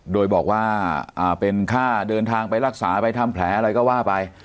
โดยบอกว่าเป็นค่าเดินทางไปรักษาไปทำแผลอะไรก็ว่าไป